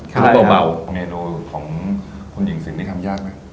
อเจมส์เมนูของผู้หญิงสิ่งที่ทำยากไหม